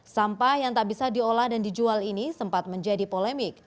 sampah yang tak bisa diolah dan dijual ini sempat menjadi polemik